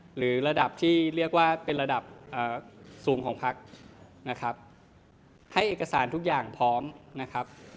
หรือระดับที่เรียกว่าเป็นระดับสูงของพักนะครับให้เอกสารทุกอย่างพร้อมนะครับ